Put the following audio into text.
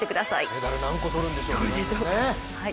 メダル何個取るんでしょうね。